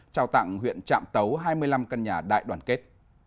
trao tặng huyện trạm tấu hai mươi năm căn nhà đại đoàn kết